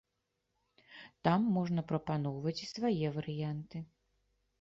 Там можна прапаноўваць і свае варыянты.